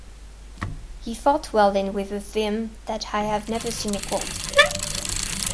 He fought well and with a vim that I have never seen equaled.